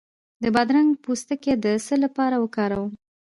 د بادرنګ پوستکی د څه لپاره وکاروم؟